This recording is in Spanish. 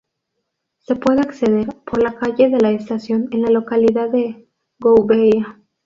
Se puede acceder por la Calle de la Estación, en la localidad de Gouveia.